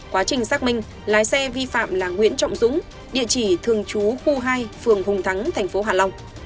quá trình xác minh lái xe vi phạm là nguyễn trọng dũng địa chỉ thường chú khu hai phường hùng thắng tp hà long